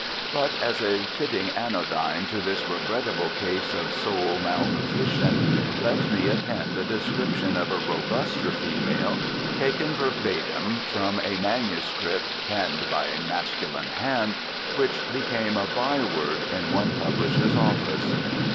But as a fitting anodyne to this regrettable case of soul malnutrition, let me append a description of a robuster female, taken verbatim from a manuscript (penned by masculine hand) which became a by word in one publisher's office.